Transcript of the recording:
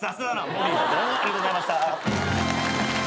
もういいよどうもありがとうございました。